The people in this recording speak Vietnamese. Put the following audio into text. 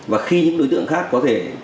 và khi những đối tượng khác có thể